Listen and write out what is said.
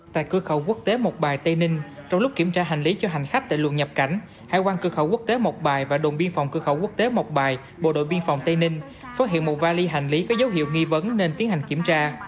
tại cửa khẩu quốc tế mộc bài tây ninh trong lúc kiểm tra hành lý cho hành khách tại luồng nhập cảnh hải quan cửa khẩu quốc tế mộc bài và đồn biên phòng cửa khẩu quốc tế mộc bài bộ đội biên phòng tây ninh phát hiện một vali hành lý có dấu hiệu nghi vấn nên tiến hành kiểm tra